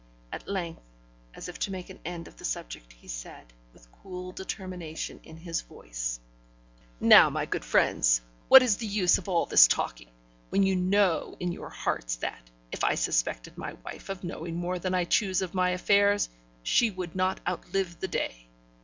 At length, as if to make an end of the subject, he said, with cool determination in his voice: 'Now, my good friends, what is the use of all this talking, when you know in your hearts that, if I suspected my wife of knowing more than I chose of my affairs, she would not outlive the day?